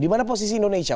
di mana posisi indonesia